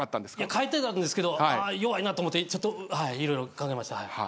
書いてたんですが弱いと思ってちょっと色々考えました。